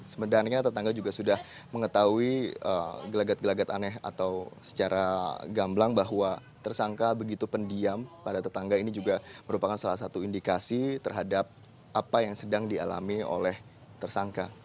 sebenarnya tetangga juga sudah mengetahui gelagat gelagat aneh atau secara gamblang bahwa tersangka begitu pendiam pada tetangga ini juga merupakan salah satu indikasi terhadap apa yang sedang dialami oleh tersangka